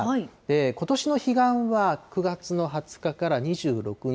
ことしの彼岸は、９月の２０日から２６日。